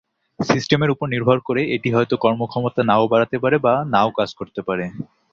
সিস্টেমের উপর নির্ভর করে, এটি হয়ত কর্মক্ষমতা নাও বাড়াতে পারে বা নাও কাজ করতে পারে।